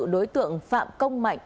đối tượng phạm công mạnh